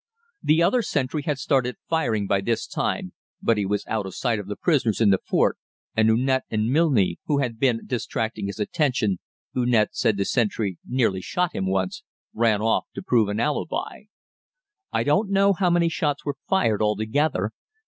The other sentry had started firing by this time, but he was out of sight of the prisoners in the fort, and Unett and Milne, who had been distracting his attention (Unett said the sentry nearly shot him once), ran off to prove an alibi. I don't know how many shots were fired altogether.